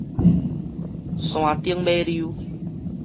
山頂尾溜